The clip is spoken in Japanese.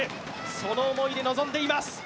その思いで臨んでいます。